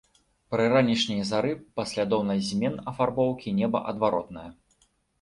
Пры ранішняй зары паслядоўнасць змен афарбоўкі неба адваротная.